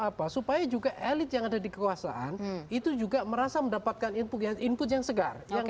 apa supaya juga elit yang ada di kekuasaan itu juga merasa mendapatkan input yang segar yang